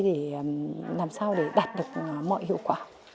để làm sao để đạt được mọi hiệu quả